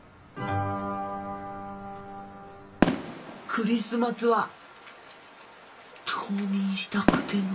クリスマスは冬眠したくて眠い。